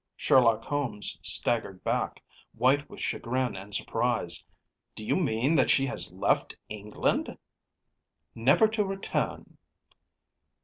‚ÄĚ Sherlock Holmes staggered back, white with chagrin and surprise. “Do you mean that she has left England?‚ÄĚ “Never to return.